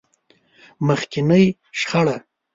مخکينۍ شخړه.